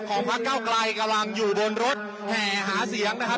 พระเก้าไกลกำลังอยู่บนรถแห่หาเสียงนะครับ